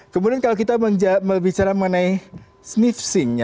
kemudian kalau kita bicara mengenai sniff sync